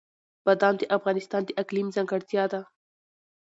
بادام د افغانستان د اقلیم ځانګړتیا ده.